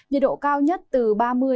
nhiệt độ cao nhất từ ba mươi ba mươi ba độ